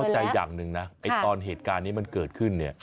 คุณต้องเข้าใจอย่างหนึ่งนะตอนเหตุการณ์นี้มันเกิดขึ้น